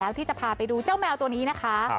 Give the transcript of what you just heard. แล้วที่จะพาไปดูเจ้าแมวตัวนี้นะคะ